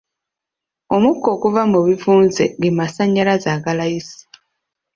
Omukka oguva mu bivunze ge masannyalaze aga layisi.